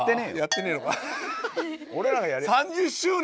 ３０周年！